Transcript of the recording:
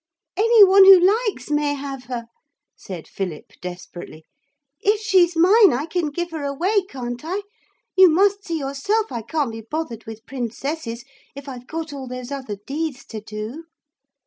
'Any one who likes may have her,' said Philip desperately. 'If she's mine, I can give her away, can't I? You must see yourself I can't be bothered with princesses if I've got all those other deeds to do.'